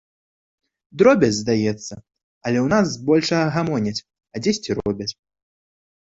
Дробязь, здаецца, але ў нас з большага гамоняць, а дзесьці робяць.